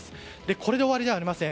これで終わりではありません。